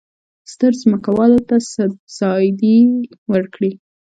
ستر ځمکوالو ته سبسایډي ورکړي.